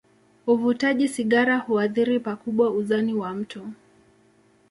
Uvutaji sigara huathiri pakubwa uzani wa mtu.